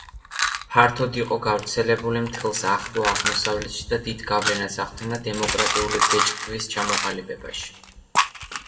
ფართოდ იყო გავრცელებული მთელს ახლო აღმოსავლეთში და დიდ გავლენას ახდენდა დემოკრატიული ბეჭდვის ჩამოყალიბებაში.